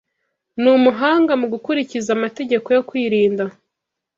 Ni umuhanga mu gukurikiza amategeko yo kwirinda.